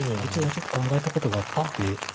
一応ちょっと考えたことがあって。